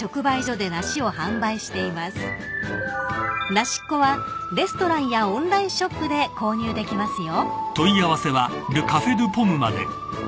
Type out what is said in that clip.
［梨っ娘はレストランやオンラインショップで購入できますよ］